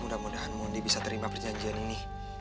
ah mudah mudahan mundi bisa terima perjanjian ini